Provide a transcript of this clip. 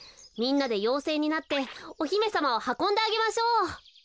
みんなでようせいになっておひめさまをはこんであげましょう。